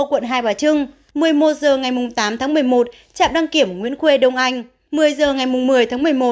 quận hai bà trưng một mươi một h ngày tám tháng một mươi một chạm đăng kiểm nguyễn khuê đông anh